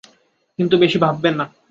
কিন্তু, বেশি ভাববেন না।